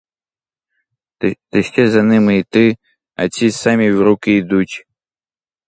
Та ще за ними йти — а ці самі в руки йдуть.